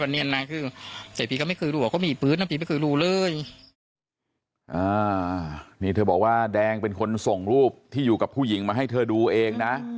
นี่เธอบอกว่าแดงเป็นคนส่งรูปที่อยู่กับผู้หญิงมาให้เธอดูเองนะ